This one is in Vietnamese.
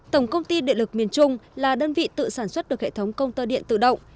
tổng công ty điện lực miền trung là đơn vị tự sản xuất được hệ thống công tơ điện tự động